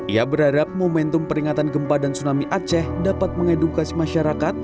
ia berharap momentum peringatan gempa dan tsunami aceh dapat mengedukasi masyarakat